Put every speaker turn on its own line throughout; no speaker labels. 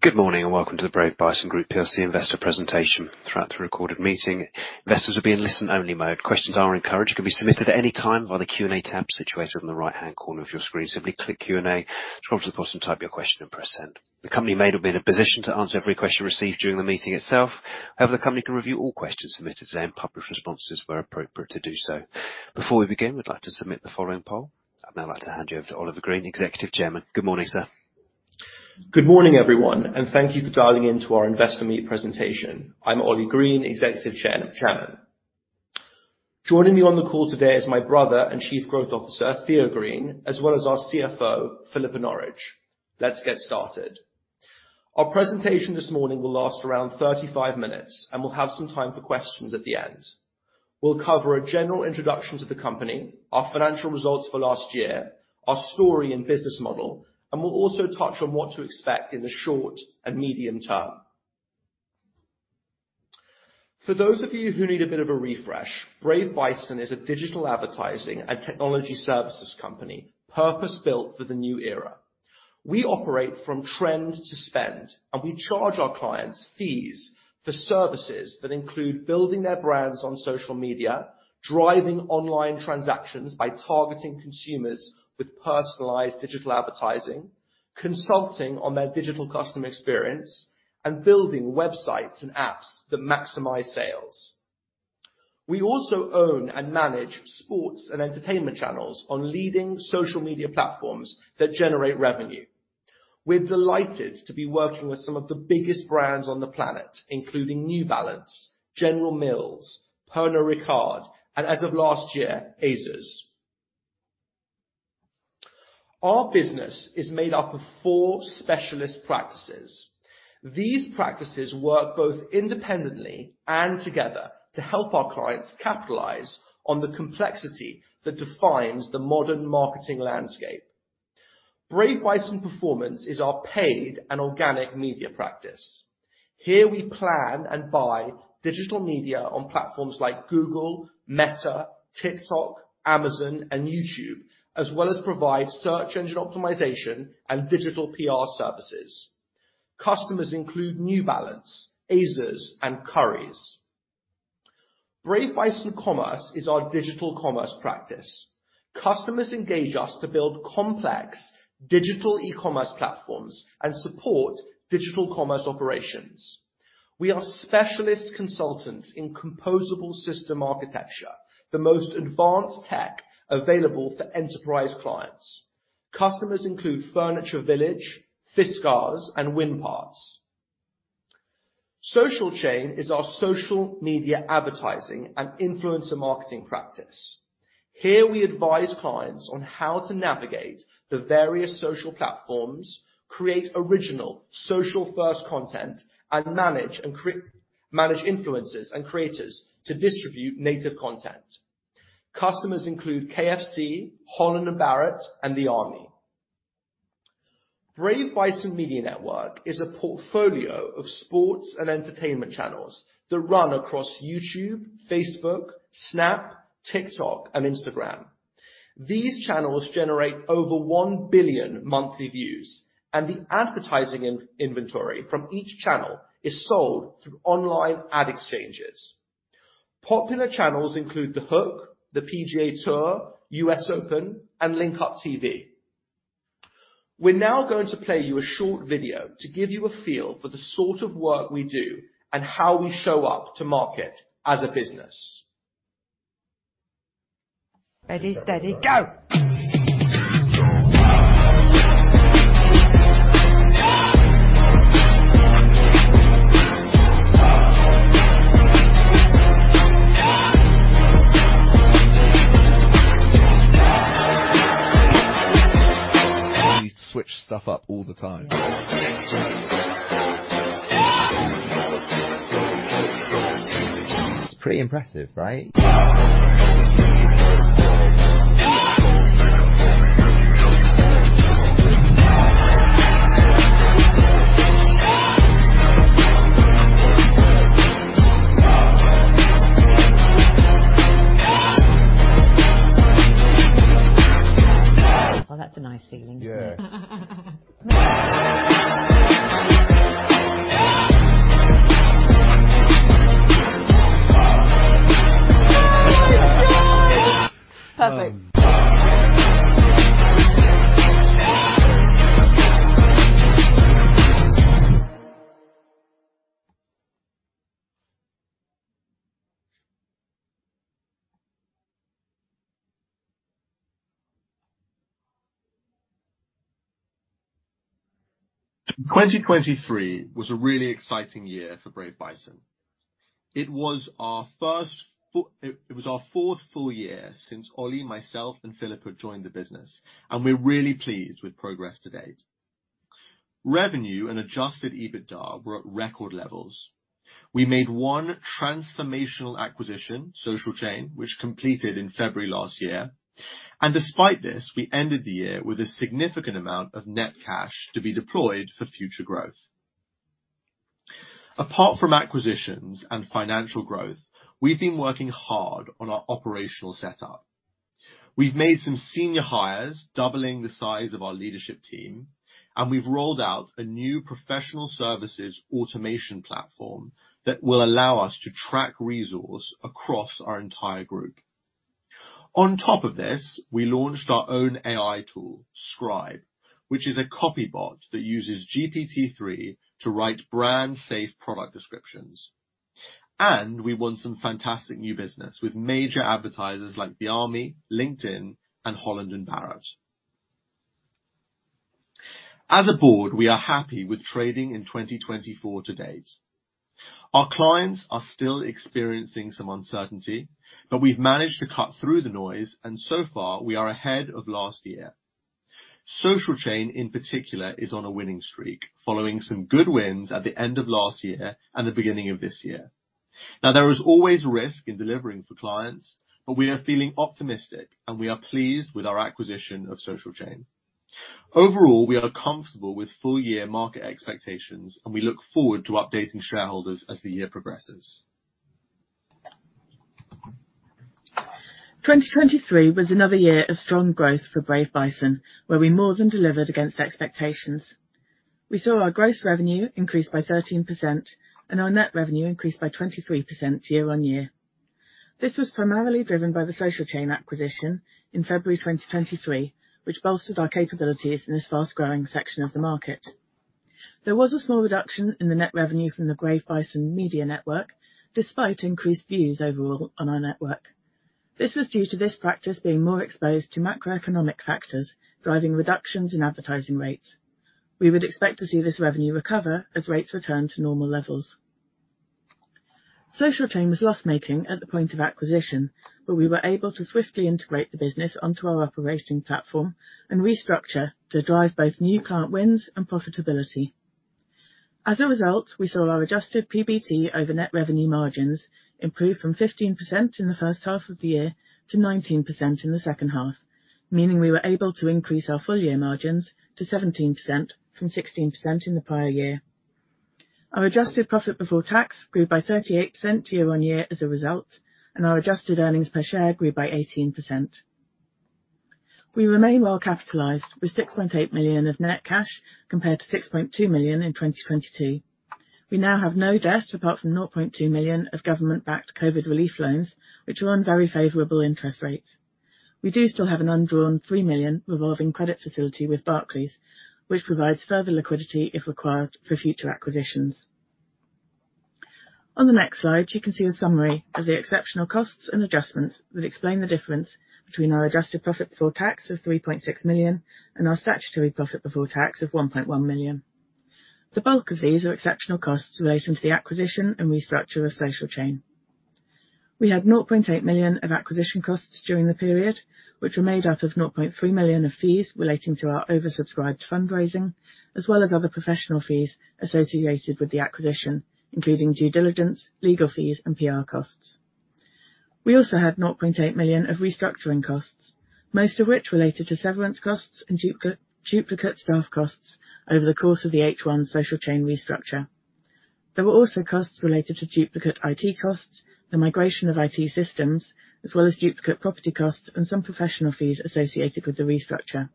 Good morning and welcome to the Brave Bison Group PLC Investor Presentation. Throughout the recorded meeting, investors will be in listen-only mode. Questions are encouraged. Questions can be submitted at any time via the Q&A tab situated on the right-hand corner of your screen. Simply click Q&A, scroll to the bottom, type your question, and press send. The company may not be in a position to answer every question received during the meeting itself. However, the company can review all questions submitted today and publish responses where appropriate to do so. Before we begin, we'd like to submit the following poll. I'd now like to hand you over to Oliver Green, Executive Chairman. Good morning, sir.
Good morning, everyone, and thank you for dialing into our Investor Meet Presentation. I'm Ollie Green, Executive Chairman. Joining me on the call today is my brother and Chief Growth Officer, Theo Green, as well as our CFO, Philippa Norridge. Let's get started. Our presentation this morning will last around 35 minutes, and we'll have some time for questions at the end. We'll cover a general introduction to the company, our financial results for last year, our story and business model, and we'll also touch on what to expect in the short and medium term. For those of you who need a bit of a refresh, Brave Bison is a digital advertising and technology services company purpose-built for the new era. We operate from trend to spend, and we charge our clients fees for services that include building their brands on social media, driving online transactions by targeting consumers with personalized digital advertising, consulting on their digital customer experience, and building websites and apps that maximize sales. We also own and manage sports and entertainment channels on leading social media platforms that generate revenue. We're delighted to be working with some of the biggest brands on the planet, including New Balance, General Mills, Pernod Ricard, and as of last year, ASUS. Our business is made up of four specialist practices. These practices work both independently and together to help our clients capitalize on the complexity that defines the modern marketing landscape. Brave Bison Performance is our paid and organic media practice. Here, we plan and buy digital media on platforms like Google, Meta, TikTok, Amazon, and YouTube, as well as provide search engine optimization and digital PR services. Customers include New Balance, ASUS, and Currys. Brave Bison Commerce is our digital commerce practice. Customers engage us to build complex digital e-commerce platforms and support digital commerce operations. We are specialist consultants in composable system architecture, the most advanced tech available for enterprise clients. Customers include Furniture Village, Fiskars, and Winparts. SocialChain is our social media advertising and influencer marketing practice. Here, we advise clients on how to navigate the various social platforms, create original social-first content, and manage influencers and creators to distribute native content. Customers include KFC, Holland & Barrett, and The Army. Brave Bison Media Network is a portfolio of sports and entertainment channels that run across YouTube, Facebook, Snap, TikTok, and Instagram. These channels generate over 1 billion monthly views, and the advertising inventory from each channel is sold through online ad exchanges. Popular channels include The Hook, The PGA Tour, US Open, and Link Up TV. We're now going to play you a short video to give you a feel for the sort of work we do and how we show up to market as a business.
Ready, steady, go. We switch stuff up all the time. It's pretty impressive, right? Oh, that's a nice feeling. Yeah. Oh my God. Perfect.
2023 was a really exciting year for Brave Bison. It was our fourth full year since Ollie, myself, and Philippa joined the business, and we're really pleased with progress to date. Revenue and adjusted EBITDA were at record levels. We made one transformational acquisition, SocialChain, which completed in February last year. Despite this, we ended the year with a significant amount of net cash to be deployed for future growth. Apart from acquisitions and financial growth, we've been working hard on our operational setup. We've made some senior hires, doubling the size of our leadership team, and we've rolled out a new professional services automation platform that will allow us to track resource across our entire group. On top of this, we launched our own AI tool, Scribe, which is a copy bot that uses GPT-3 to write brand-safe product descriptions. We won some fantastic new business with major advertisers like The Army, LinkedIn, and Holland & Barrett. As a board, we are happy with trading in 2024 to date. Our clients are still experiencing some uncertainty, but we've managed to cut through the noise, and so far, we are ahead of last year. SocialChain, in particular, is on a winning streak, following some good wins at the end of last year and the beginning of this year. Now, there is always risk in delivering for clients, but we are feeling optimistic, and we are pleased with our acquisition of SocialChain. Overall, we are comfortable with full-year market expectations, and we look forward to updating shareholders as the year progresses.
2023 was another year of strong growth for Brave Bison, where we more than delivered against expectations. We saw our gross revenue increase by 13% and our net revenue increase by 23% year-on-year. This was primarily driven by the SocialChain acquisition in February 2023, which bolstered our capabilities in this fast-growing section of the market. There was a small reduction in the net revenue from the Brave Bison Media Network despite increased views overall on our network. This was due to this practice being more exposed to macroeconomic factors driving reductions in advertising rates. We would expect to see this revenue recover as rates return to normal levels. SocialChain was loss-making at the point of acquisition, but we were able to swiftly integrate the business onto our operating platform and restructure to drive both new client wins and profitability. As a result, we saw our adjusted PBT over net revenue margins improve from 15% in the first half of the year to 19% in the second half, meaning we were able to increase our full-year margins to 17% from 16% in the prior year. Our adjusted profit before tax grew by 38% year-on-year as a result, and our adjusted earnings per share grew by 18%. We remain well capitalized with 6.8 million of net cash compared to 6.2 million in 2022. We now have no debt apart from 0.2 million of government-backed COVID relief loans, which are on very favorable interest rates. We do still have an undrawn 3 million revolving credit facility with Barclays, which provides further liquidity if required for future acquisitions. On the next slide, you can see a summary of the exceptional costs and adjustments that explain the difference between our adjusted profit before tax of 3.6 million and our statutory profit before tax of 1.1 million. The bulk of these are exceptional costs relating to the acquisition and restructure of SocialChain. We had 0.8 million of acquisition costs during the period, which were made up of 0.3 million of fees relating to our oversubscribed fundraising, as well as other professional fees associated with the acquisition, including due diligence, legal fees, and PR costs. We also had 0.8 million of restructuring costs, most of which related to severance costs and duplicate staff costs over the course of the H1 SocialChain restructure. There were also costs related to duplicate IT costs, the migration of IT systems, as well as duplicate property costs, and some professional fees associated with the restructure.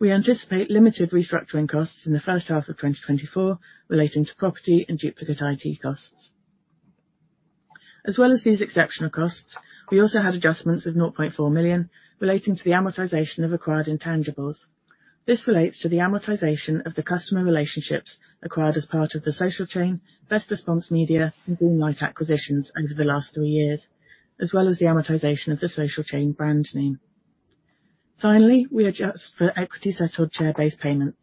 We anticipate limited restructuring costs in the first half of 2024 relating to property and duplicate IT costs. As well as these exceptional costs, we also had adjustments of 0.4 million relating to the amortization of acquired intangibles. This relates to the amortization of the customer relationships acquired as part of the SocialChain, Best Response Media, and Greenlight acquisitions over the last three years, as well as the amortization of the SocialChain brand name. Finally, we adjust for equity-settled share-based payments.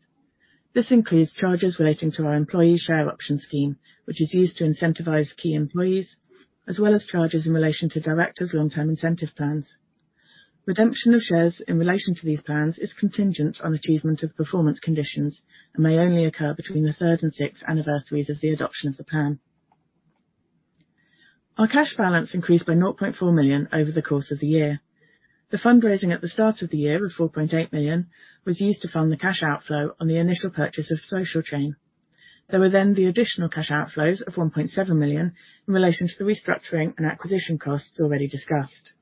This includes charges relating to our employee share option scheme, which is used to incentivize key employees, as well as charges in relation to directors' long-term incentive plans. Redemption of shares in relation to these plans is contingent on achievement of performance conditions and may only occur between the third and sixth anniversaries of the adoption of the plan. Our cash balance increased by 0.4 million over the course of the year. The fundraising at the start of the year of 4.8 million was used to fund the cash outflow on the initial purchase of SocialChain. There were then the additional cash outflows of 1.7 million in relation to the restructuring and acquisition costs already discussed.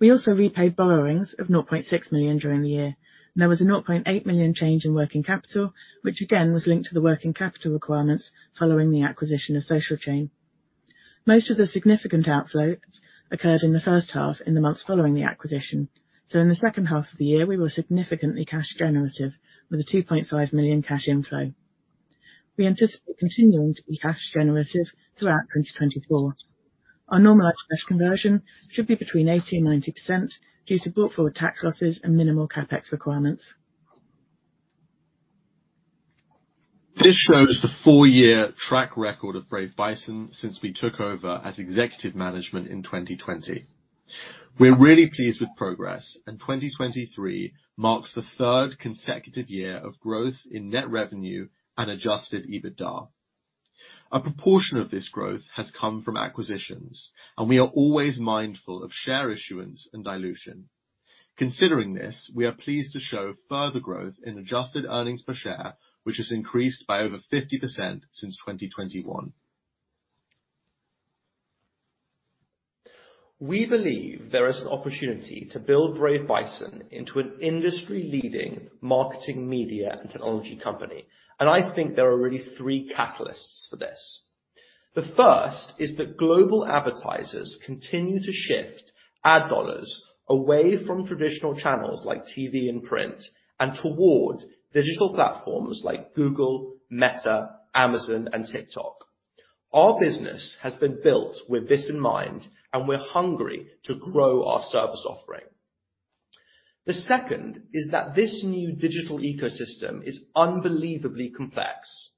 We also repaid borrowings of 0.6 million during the year, and there was a 0.8 million change in working capital, which again was linked to the working capital requirements following the acquisition of SocialChain. Most of the significant outflows occurred in the first half in the months following the acquisition, so in the second half of the year, we were significantly cash-generative with a 2.5 million cash inflow. We anticipate continuing to be cash-generative throughout 2024. Our normalized cash conversion should be between 80% and 90% due to brought-forward tax losses and minimal CapEx requirements.
This shows the four-year track record of Brave Bison since we took over as executive management in 2020. We're really pleased with progress, and 2023 marks the third consecutive year of growth in net revenue and adjusted EBITDA. A proportion of this growth has come from acquisitions, and we are always mindful of share issuance and dilution. Considering this, we are pleased to show further growth in adjusted earnings per share, which has increased by over 50% since 2021.
We believe there is an opportunity to build Brave Bison into an industry-leading marketing media and technology company, and I think there are really three catalysts for this. The first is that global advertisers continue to shift ad dollars away from traditional channels like TV and print and toward digital platforms like Google, Meta, Amazon, and TikTok. Our business has been built with this in mind, and we're hungry to grow our service offering. The second is that this new digital ecosystem is unbelievably complex.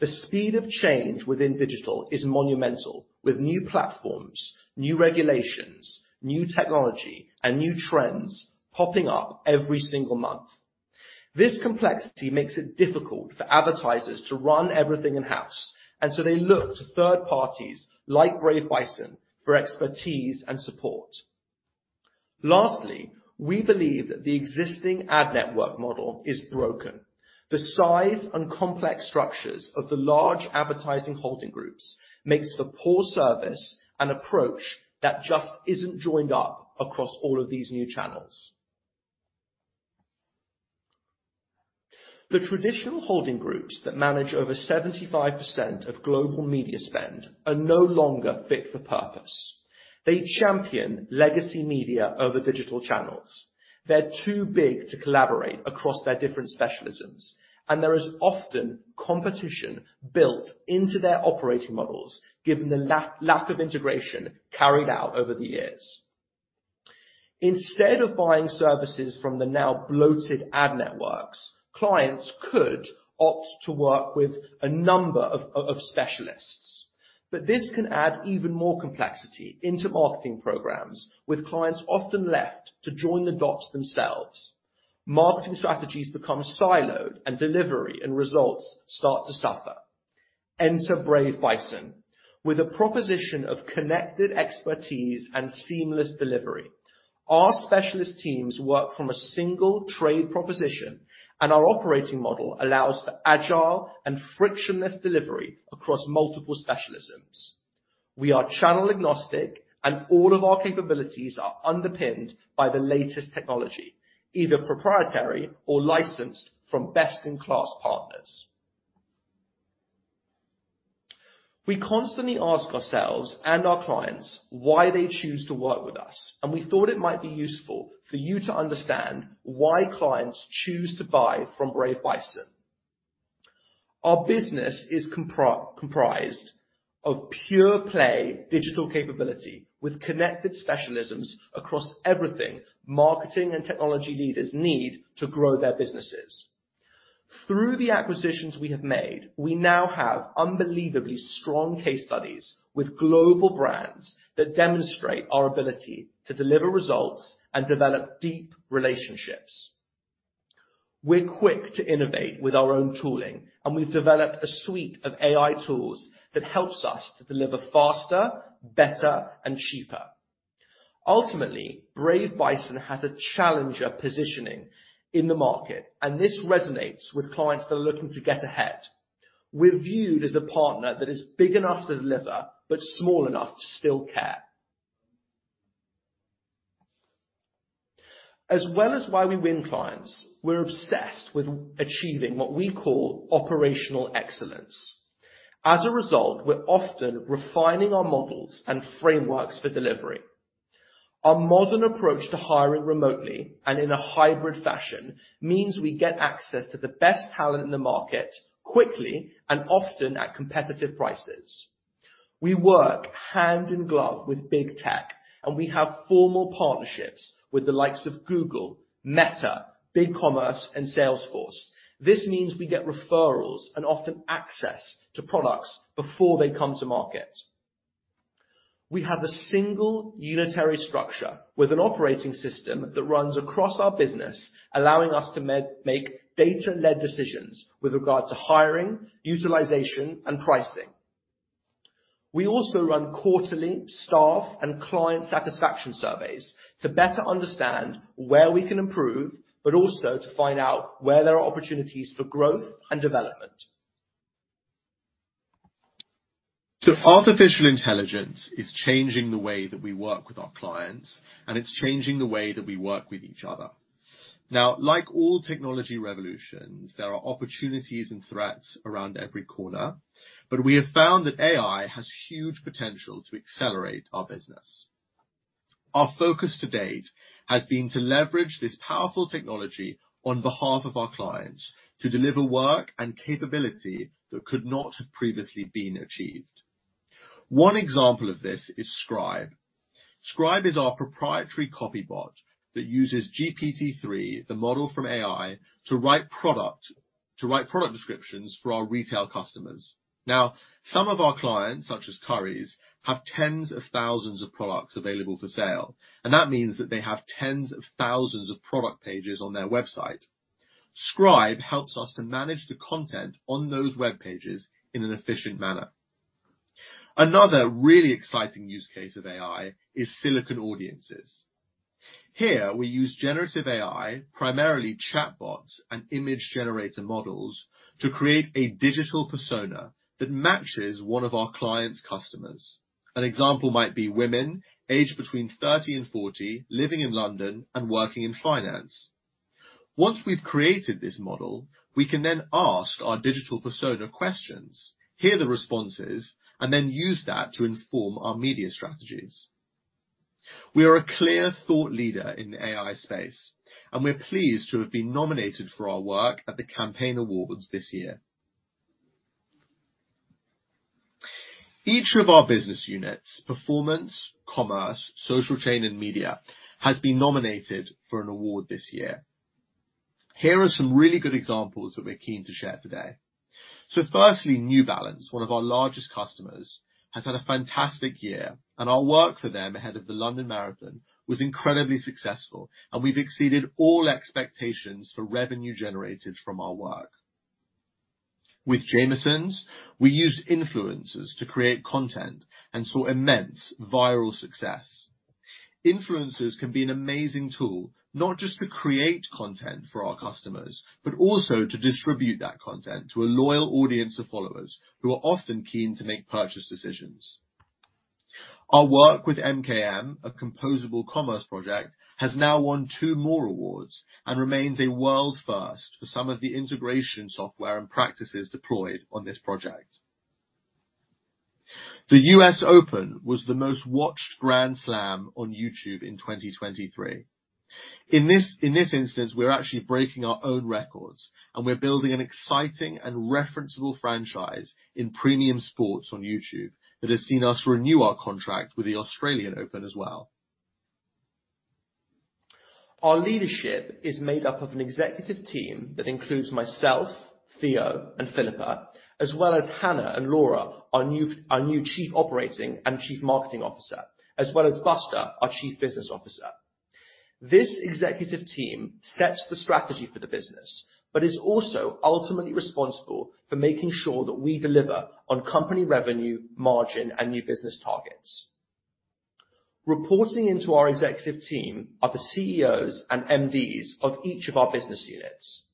The speed of change within digital is monumental, with new platforms, new regulations, new technology, and new trends popping up every single month. This complexity makes it difficult for advertisers to run everything in-house, and so they look to third parties like Brave Bison for expertise and support. Lastly, we believe that the existing ad network model is broken. The size and complex structures of the large advertising holding groups make for poor service and approach that just isn't joined up across all of these new channels. The traditional holding groups that manage over 75% of global media spend are no longer fit for purpose. They champion legacy media over digital channels. They're too big to collaborate across their different specialisms, and there is often competition built into their operating models given the lack of integration carried out over the years. Instead of buying services from the now bloated ad networks, clients could opt to work with a number of specialists. But this can add even more complexity into marketing programs, with clients often left to join the dots themselves. Marketing strategies become siloed, and delivery and results start to suffer. Enter Brave Bison. With a proposition of connected expertise and seamless delivery, our specialist teams work from a single trade proposition, and our operating model allows for agile and frictionless delivery across multiple specialisms. We are channel-agnostic, and all of our capabilities are underpinned by the latest technology, either proprietary or licensed from best-in-class partners. We constantly ask ourselves and our clients why they choose to work with us, and we thought it might be useful for you to understand why clients choose to buy from Brave Bison. Our business is comprised of pure-play digital capability with connected specialisms across everything marketing and technology leaders need to grow their businesses. Through the acquisitions we have made, we now have unbelievably strong case studies with global brands that demonstrate our ability to deliver results and develop deep relationships. We're quick to innovate with our own tooling, and we've developed a suite of AI tools that helps us to deliver faster, better, and cheaper. Ultimately, Brave Bison has a challenger positioning in the market, and this resonates with clients that are looking to get ahead. We're viewed as a partner that is big enough to deliver but small enough to still care. As well as why we win clients, we're obsessed with achieving what we call operational excellence. As a result, we're often refining our models and frameworks for delivery. Our modern approach to hiring remotely and in a hybrid fashion means we get access to the best talent in the market quickly and often at competitive prices. We work hand in glove with big tech, and we have formal partnerships with the likes of Google, Meta, BigCommerce, and Salesforce. This means we get referrals and often access to products before they come to market. We have a single unitary structure with an operating system that runs across our business, allowing us to make data-led decisions with regard to hiring, utilization, and pricing. We also run quarterly staff and client satisfaction surveys to better understand where we can improve, but also to find out where there are opportunities for growth and development.
So artificial intelligence is changing the way that we work with our clients, and it's changing the way that we work with each other. Now, like all technology revolutions, there are opportunities and threats around every corner, but we have found that AI has huge potential to accelerate our business. Our focus to date has been to leverage this powerful technology on behalf of our clients to deliver work and capability that could not have previously been achieved. One example of this is Scribe. Scribe is our proprietary copy bot that uses GPT-3, the model from OpenAI, to write product descriptions for our retail customers. Now, some of our clients, such as Currys, have tens of thousands of products available for sale, and that means that they have tens of thousands of product pages on their website. Scribe helps us to manage the content on those web pages in an efficient manner. Another really exciting use case of AI is synthetic audiences. Here, we use generative AI, primarily chatbots and image generator models, to create a digital persona that matches one of our clients' customers. An example might be women, age between 30 and 40, living in London and working in finance. Once we've created this model, we can then ask our digital persona questions, hear the responses, and then use that to inform our media strategies. We are a clear thought leader in the AI space, and we're pleased to have been nominated for our work at the Campaign Awards this year. Each of our business units, Performance, Commerce, SocialChain, and Media, has been nominated for an award this year. Here are some really good examples that we're keen to share today. So firstly, New Balance, one of our largest customers, has had a fantastic year, and our work for them ahead of the London Marathon was incredibly successful, and we've exceeded all expectations for revenue generated from our work. With Jameson, we used influencers to create content and saw immense viral success. Influencers can be an amazing tool, not just to create content for our customers, but also to distribute that content to a loyal audience of followers who are often keen to make purchase decisions. Our work with MKM, a composable commerce project, has now won two more awards and remains a world first for some of the integration software and practices deployed on this project. The US Open was the most watched Grand Slam on YouTube in 2023. In this instance, we're actually breaking our own records, and we're building an exciting and referenceable franchise in premium sports on YouTube that has seen us renew our contract with the Australian Open as well.
Our leadership is made up of an executive team that includes myself, Theo, and Philippa, as well as Hannah and Laura, our new Chief Operating and Chief Marketing Officer, as well as Buster, our Chief Business Officer. This executive team sets the strategy for the business but is also ultimately responsible for making sure that we deliver on company revenue, margin, and new business targets. Reporting into our executive team are the CEOs and MDs of each of our business units.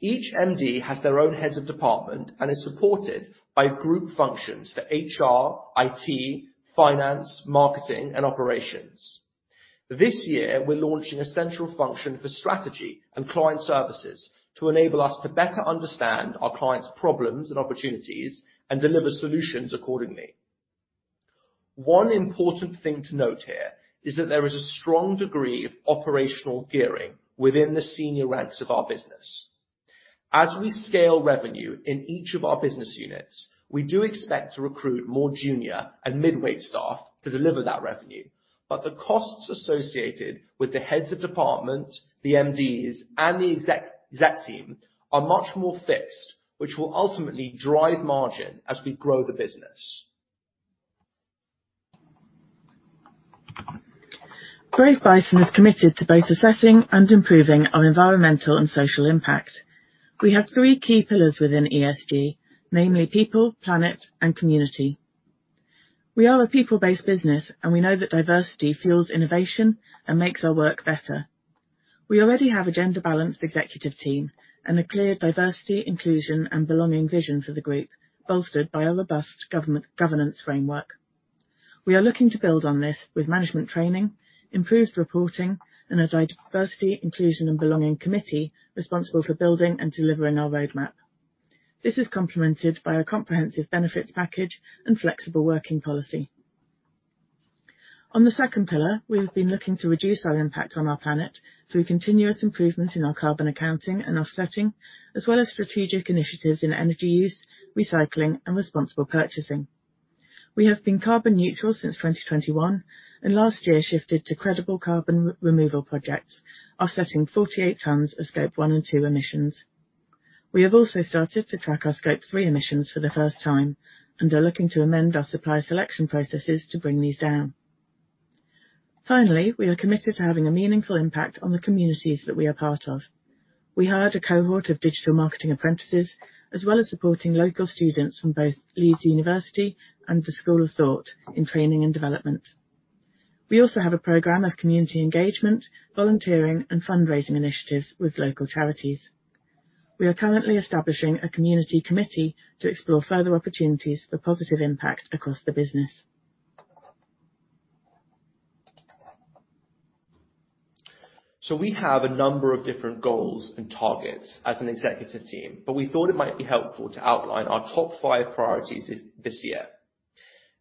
Each MD has their own heads of department and is supported by group functions for HR, IT, finance, marketing, and operations. This year, we're launching a central function for strategy and client services to enable us to better understand our clients' problems and opportunities and deliver solutions accordingly. One important thing to note here is that there is a strong degree of operational gearing within the senior ranks of our business. As we scale revenue in each of our business units, we do expect to recruit more junior and midweight staff to deliver that revenue, but the costs associated with the heads of department, the MDs, and the exec team are much more fixed, which will ultimately drive margin as we grow the business.
Brave Bison is committed to both assessing and improving our environmental and social impact. We have three key pillars within ESG, namely people, planet, and community. We are a people-based business, and we know that diversity fuels innovation and makes our work better. We already have a gender-balanced executive team and a clear diversity, inclusion, and belonging vision for the group, bolstered by a robust governance framework. We are looking to build on this with management training, improved reporting, and a diversity, inclusion, and belonging committee responsible for building and delivering our roadmap. This is complemented by a comprehensive benefits package and flexible working policy. On the second pillar, we've been looking to reduce our impact on our planet through continuous improvements in our carbon accounting and offsetting, as well as strategic initiatives in energy use, recycling, and responsible purchasing. We have been carbon neutral since 2021 and last year shifted to credible carbon removal projects, offsetting 48 tons of Scope one and two emissions. We have also started to track our Scope three emissions for the first time and are looking to amend our supply selection processes to bring these down. Finally, we are committed to having a meaningful impact on the communities that we are part of. We hired a cohort of digital marketing apprentices, as well as supporting local students from both Leeds University and the School of Thought in training and development. We also have a program of community engagement, volunteering, and fundraising initiatives with local charities. We are currently establishing a community committee to explore further opportunities for positive impact across the business.
So we have a number of different goals and targets as an executive team, but we thought it might be helpful to outline our top five priorities this year.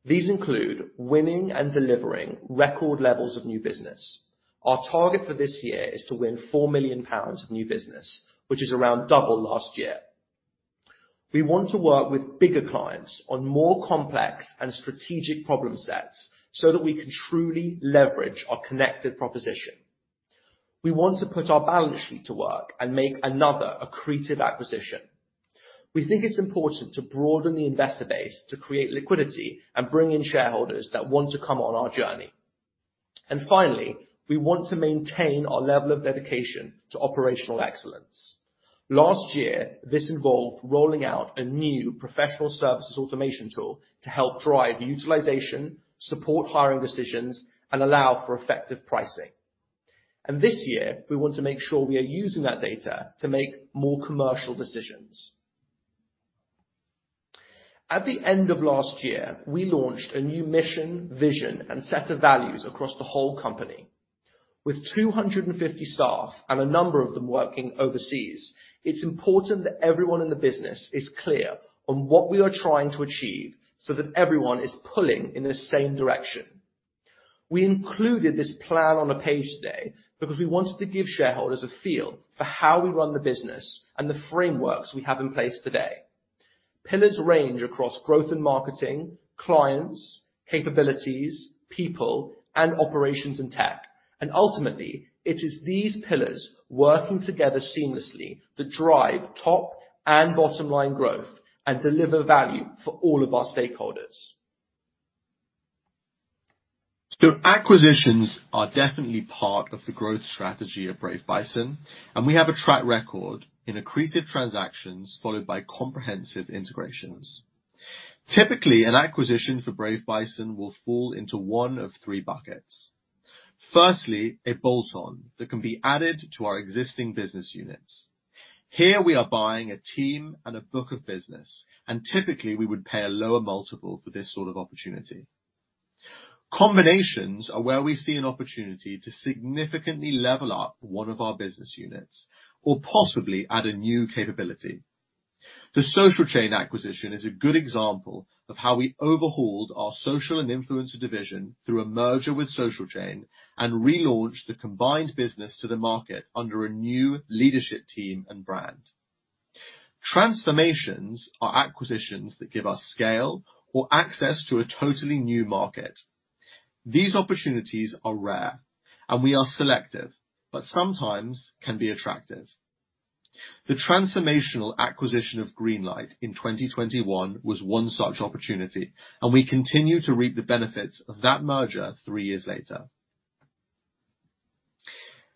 These include winning and delivering record levels of new business. Our target for this year is to win 4 million pounds of new business, which is around double last year. We want to work with bigger clients on more complex and strategic problem sets so that we can truly leverage our connected proposition. We want to put our balance sheet to work and make another accretive acquisition. We think it's important to broaden the investor base to create liquidity and bring in shareholders that want to come on our journey. And finally, we want to maintain our level of dedication to operational excellence. Last year, this involved rolling out a new professional services automation tool to help drive utilization, support hiring decisions, and allow for effective pricing. And this year, we want to make sure we are using that data to make more commercial decisions. At the end of last year, we launched a new mission, vision, and set of values across the whole company. With 250 staff and a number of them working overseas, it's important that everyone in the business is clear on what we are trying to achieve so that everyone is pulling in the same direction. We included this plan on a page today because we wanted to give shareholders a feel for how we run the business and the frameworks we have in place today. Pillars range across growth and marketing, clients, capabilities, people, and operations and tech. Ultimately, it is these pillars working together seamlessly that drive top and bottom-line growth and deliver value for all of our stakeholders.
Acquisitions are definitely part of the growth strategy of Brave Bison, and we have a track record in accretive transactions followed by comprehensive integrations. Typically, an acquisition for Brave Bison will fall into one of three buckets. Firstly, a bolt-on that can be added to our existing business units. Here, we are buying a team and a book of business, and typically, we would pay a lower multiple for this sort of opportunity. Combinations are where we see an opportunity to significantly level up one of our business units or possibly add a new capability. The SocialChain acquisition is a good example of how we overhauled our social and influencer division through a merger with SocialChain and relaunched the combined business to the market under a new leadership team and brand. Transformations are acquisitions that give us scale or access to a totally new market. These opportunities are rare, and we are selective but sometimes can be attractive. The transformational acquisition of Greenlight in 2021 was one such opportunity, and we continue to reap the benefits of that merger three years later.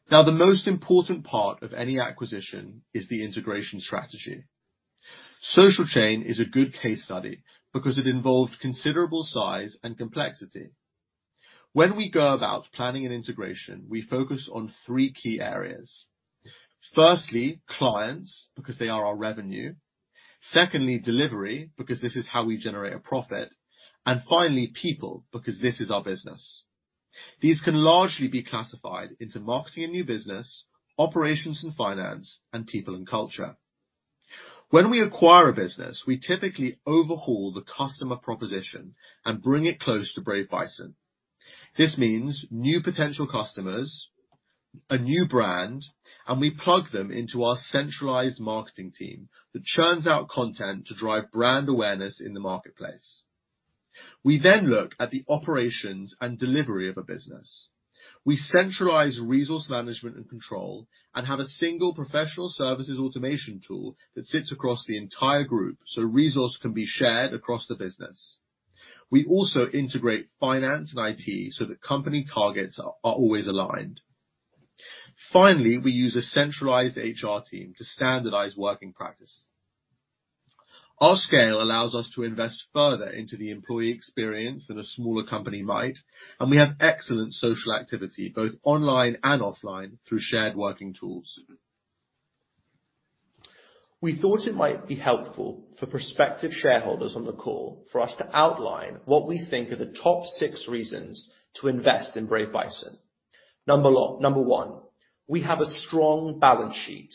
Now, the most important part of any acquisition is the integration strategy. SocialChain is a good case study because it involved considerable size and complexity. When we go about planning an integration, we focus on three key areas. Firstly, clients because they are our revenue. Secondly, delivery because this is how we generate a profit. And finally, people because this is our business. These can largely be classified into marketing and new business, operations and finance, and people and culture. When we acquire a business, we typically overhaul the customer proposition and bring it close to Brave Bison. This means new potential customers, a new brand, and we plug them into our centralized marketing team that churns out content to drive brand awareness in the marketplace. We then look at the operations and delivery of a business. We centralize resource management and control and have a single professional services automation tool that sits across the entire group so resource can be shared across the business. We also integrate finance and IT so that company targets are always aligned. Finally, we use a centralized HR team to standardize working practice. Our scale allows us to invest further into the employee experience than a smaller company might, and we have excellent social activity both online and offline through shared working tools.
We thought it might be helpful for prospective shareholders on the call for us to outline what we think are the top six reasons to invest in Brave Bison. Number one, we have a strong balance sheet.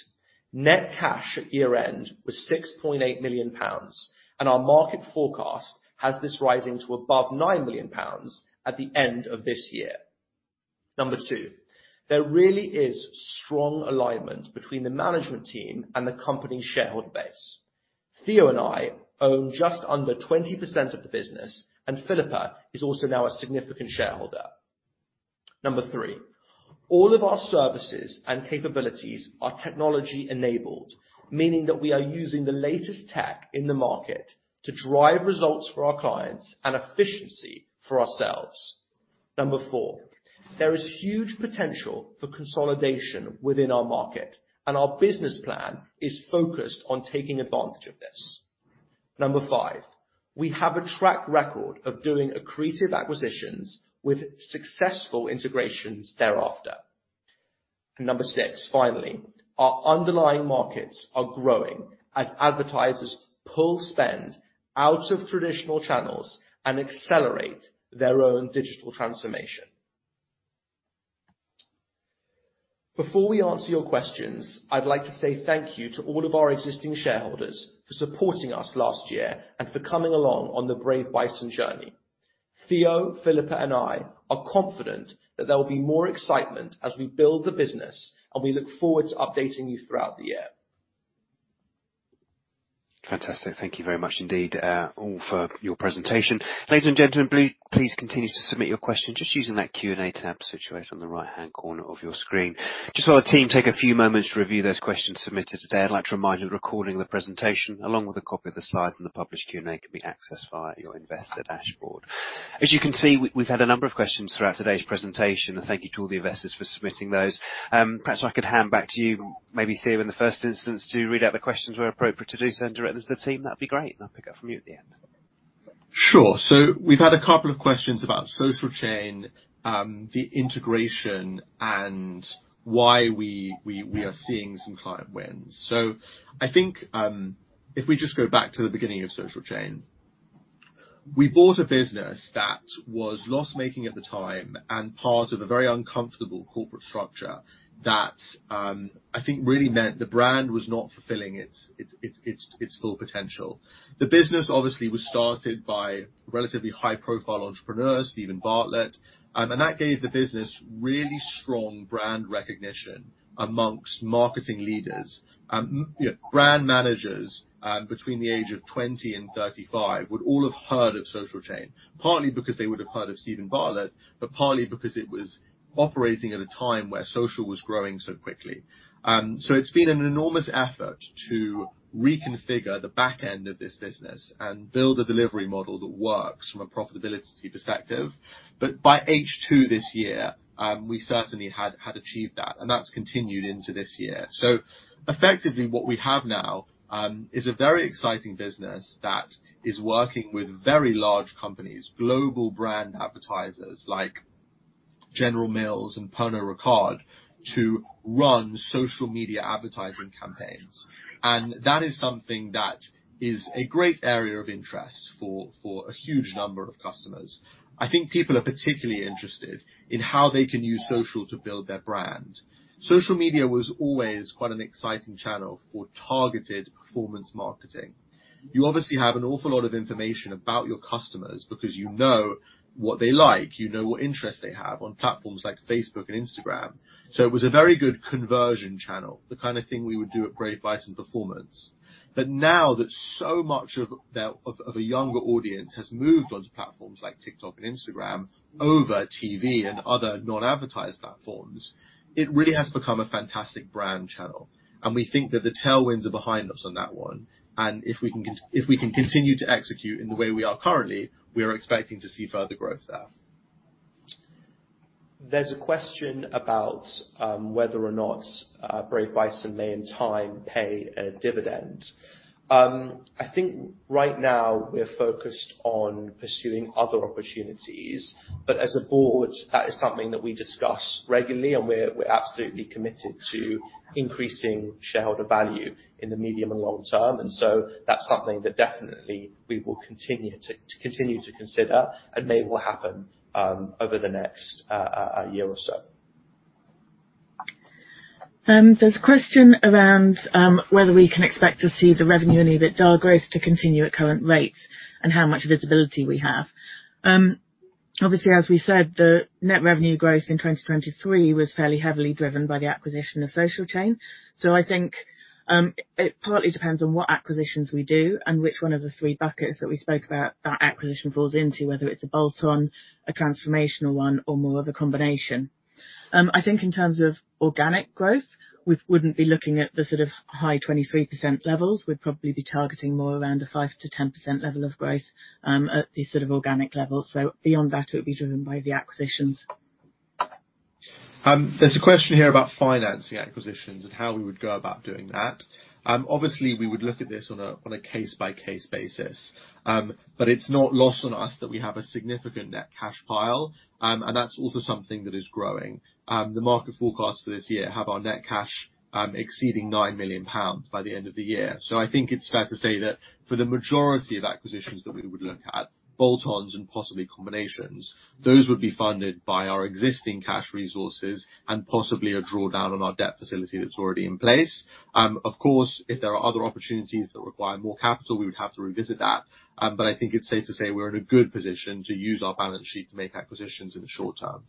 Net cash at year-end was 6.8 million pounds, and our market forecast has this rising to above 9 million pounds at the end of this year. Number two, there really is strong alignment between the management team and the company's shareholder base. Theo and I own just under 20% of the business, and Philippa is also now a significant shareholder. Number three, all of our services and capabilities are technology-enabled, meaning that we are using the latest tech in the market to drive results for our clients and efficiency for ourselves. Number four, there is huge potential for consolidation within our market, and our business plan is focused on taking advantage of this. Number five, we have a track record of doing accretive acquisitions with successful integrations thereafter. And number six, finally, our underlying markets are growing as advertisers pull spend out of traditional channels and accelerate their own digital transformation. Before we answer your questions, I'd like to say thank you to all of our existing shareholders for supporting us last year and for coming along on the Brave Bison journey. Theo, Philippa, and I are confident that there will be more excitement as we build the business, and we look forward to updating you throughout the year.
Fantastic. Thank you very much, indeed, all for your presentation. Ladies and gentlemen, please continue to submit your questions just using that Q&A tab situated on the right-hand corner of your screen. Just while the team take a few moments to review those questions submitted today, I'd like to remind you that recording of the presentation along with a copy of the slides and the published Q&A can be accessed via your investor dashboard. As you can see, we've had a number of questions throughout today's presentation, and thank you to all the investors for submitting those. Perhaps I could hand back to you, maybe Theo, in the first instance, to read out the questions where appropriate to do so and direct them to the team. That'd be great, and I'll pick up from you at the end.
Sure. So we've had a couple of questions about SocialChain, the integration, and why we are seeing some client wins. So I think if we just go back to the beginning of SocialChain, we bought a business that was loss-making at the time and part of a very uncomfortable corporate structure that I think really meant the brand was not fulfilling its full potential. The business, obviously, was started by relatively high-profile entrepreneurs, Steven Bartlett, and that gave the business really strong brand recognition among marketing leaders. Brand managers between the age of 20 and 35 would all have heard of SocialChain, partly because they would have heard of Steven Bartlett, but partly because it was operating at a time where social was growing so quickly. So it's been an enormous effort to reconfigure the backend of this business and build a delivery model that works from a profitability perspective. But by H2 this year, we certainly had achieved that, and that's continued into this year. So effectively, what we have now is a very exciting business that is working with very large companies, global brand advertisers like General Mills and Pernod Ricard, to run social media advertising campaigns. And that is something that is a great area of interest for a huge number of customers. I think people are particularly interested in how they can use social to build their brand. Social media was always quite an exciting channel for targeted performance marketing. You obviously have an awful lot of information about your customers because you know what they like. You know what interests they have on platforms like Facebook and Instagram. So it was a very good conversion channel, the kind of thing we would do at Brave Bison Performance. But now that so much of a younger audience has moved onto platforms like TikTok and Instagram over TV and other non-advertised platforms, it really has become a fantastic brand channel. And we think that the tailwinds are behind us on that one. If we can continue to execute in the way we are currently, we are expecting to see further growth there.
There's a question about whether or not Brave Bison may, in time, pay a dividend. I think right now, we're focused on pursuing other opportunities, but as a board, that is something that we discuss regularly, and we're absolutely committed to increasing shareholder value in the medium and long term. So that's something that definitely we will continue to consider and may well happen over the next year or so.
There's a question around whether we can expect to see the revenue and EBITDA growth to continue at current rates and how much visibility we have. Obviously, as we said, the net revenue growth in 2023 was fairly heavily driven by the acquisition of SocialChain. So I think it partly depends on what acquisitions we do and which one of the three buckets that we spoke about that acquisition falls into, whether it's a bolt-on, a transformational one, or more of a combination. I think in terms of organic growth, we wouldn't be looking at the sort of high 23% levels. We'd probably be targeting more around a 5%-10% level of growth at the sort of organic level. So beyond that, it would be driven by the acquisitions.
There's a question here about financing acquisitions and how we would go about doing that. Obviously, we would look at this on a case-by-case basis, but it's not lost on us that we have a significant net cash pile, and that's also something that is growing. The market forecasts for this year have our net cash exceeding 9 million pounds by the end of the year. So I think it's fair to say that for the majority of acquisitions that we would look at, bolt-ons and possibly combinations, those would be funded by our existing cash resources and possibly a drawdown on our debt facility that's already in place. Of course, if there are other opportunities that require more capital, we would have to revisit that. But I think it's safe to say we're in a good position to use our balance sheet to make acquisitions in the short term.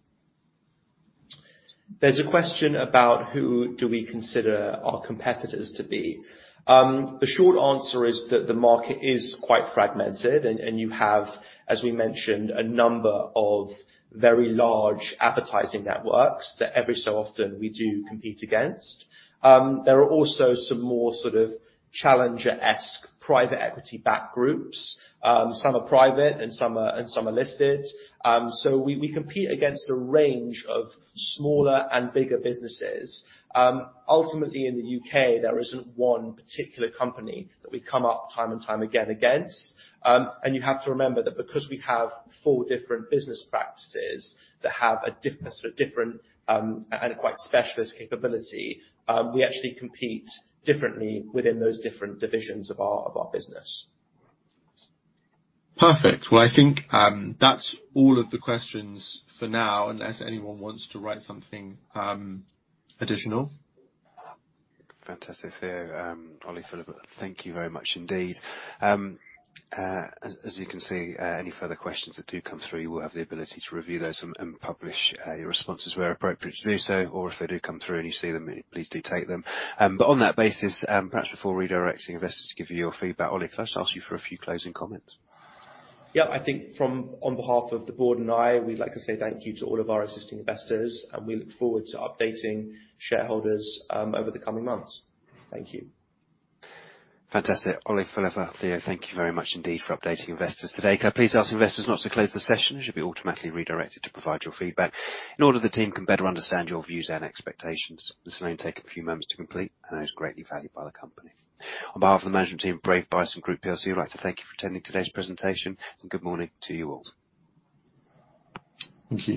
There's a question about who do we consider our competitors to be. The short answer is that the market is quite fragmented, and you have, as we mentioned, a number of very large advertising networks that every so often we do compete against. There are also some more sort of challenger-esque private equity-backed groups. Some are private, and some are listed. So we compete against a range of smaller and bigger businesses. Ultimately, in the U.K., there isn't one particular company that we come up time and time again against. And you have to remember that because we have four different business practices that have a different and quite specialist capability, we actually compete differently within those different divisions of our business.
Perfect. Well, I think that's all of the questions for now unless anyone wants to write something additional.
Fantastic, Theo. Ollie, Philippa, thank you very much indeed. As you can see, any further questions that do come through, you will have the ability to review those and publish your responses where appropriate to do so. Or if they do come through and you see them, please do take them. But on that basis, perhaps before redirecting investors to give you your feedback, Ollie, can I just ask you for a few closing comments?
Yep. I think on behalf of the board and I, we'd like to say thank you to all of our existing investors, and we look forward to updating shareholders over the coming months. Thank you.
Fantastic. Ollie, Philippa, Theo, thank you very much indeed for updating investors today. Can I please ask investors not to close the session? You should be automatically redirected to provide your feedback in order the team can better understand your views and expectations. This will only take a few moments to complete, and it is greatly valued by the company. On behalf of the management team, Brave Bison Group PLC, we'd like to thank you for attending today's presentation, and good morning to you all.
Thank you.